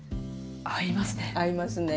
合いますね。